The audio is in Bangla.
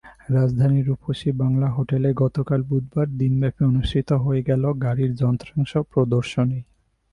রাজধানীর রূপসী বাংলা হোটেলে গতকাল বুধবার দিনব্যাপী অনুষ্ঠিত হয়ে গেল গাড়ির যন্ত্রাংশ প্রদর্শনী।